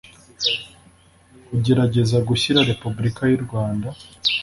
ugerageza gushyira repubulika y urwanda